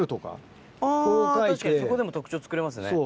あぁ確かにそこでも特徴作れますね。